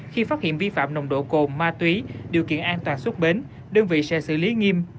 khi phát hiện vi phạm nồng độ cồn ma túy điều kiện an toàn xuất bến đơn vị sẽ xử lý nghiêm